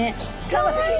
かわいい！